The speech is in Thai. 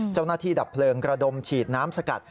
เจ้าหน้าที่ดับเพลิงกระดมฉีดน้ำสกัด